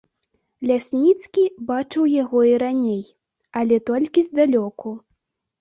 Лясніцкі бачыў яго і раней, але толькі здалёку.